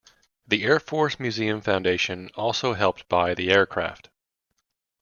The Air Force Museum Foundation also helped buy the aircraft.